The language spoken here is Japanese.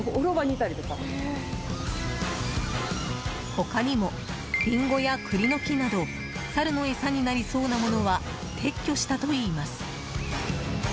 他にもリンゴや栗の木などサルの餌になりそうなものは撤去したといいます。